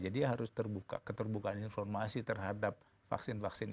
jadi harus terbuka keterbukaan informasi terhadap vaksin vaksin itu